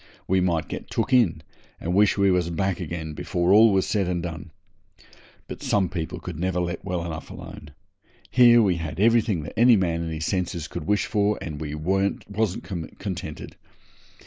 We might get took in, and wish we was back again before all was said and done. But some people could never let well alone. Here we had everything that any man in his senses could wish for, and we wasn't contented.